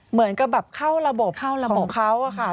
เหมือนกับแบบเข้าระบบของเขาค่ะ